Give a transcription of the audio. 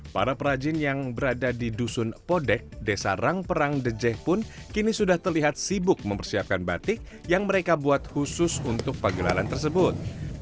para perajin yang berada di dusun podek desa rangperang dejeh pun kini sudah terlihat sibuk mempersiapkan batik yang mereka buat khusus untuk pagelaran tersebut